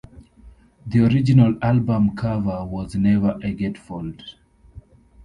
The original album cover was never a gatefold.